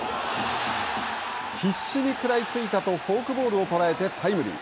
必死に食らいついたとフォークボールを捉えてタイムリー。